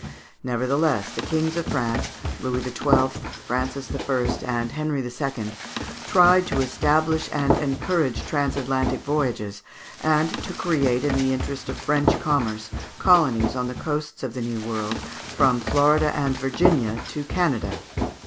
Nevertheless the kings of France, Louis XII., Francis I., and Henry II., tried to establish and encourage transatlantic voyages, and to create, in the interest of French commerce, colonies on the coasts of the New World, from Florida and Virginia to Canada.